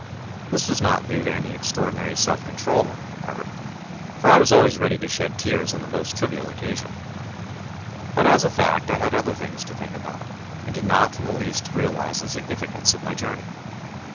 This was not due to any extraordinary self control on my part, for I was always ready to shed tears on the most trivial occasion. But as a fact I had other things to think about, and did not in the least realise the significance of my journey.